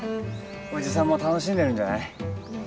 おじさんも楽しんでるんじゃない？